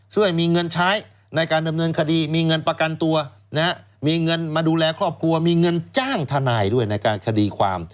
ช่วยมีเงินใช้ในการดำเนินคดีมีเงินประกันตัวมีเงินมาดูแลครอบครัวมีเงินจ้างทนายด้วยในการคดีความ